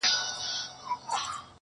یو په یو مي د مرګي غېږ ته لېږلي٫